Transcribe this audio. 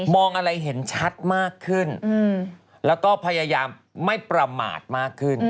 อะไรเห็นชัดมากขึ้นแล้วก็พยายามไม่ประมาทมากขึ้น